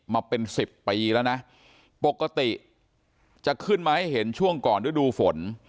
มาเป็นสิบปีแล้วนะปกติจะขึ้นมาให้เห็นช่วงก่อนฤดูฝน